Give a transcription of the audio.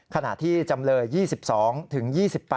ขณะที่จำเลย๒๒ถึง๒๘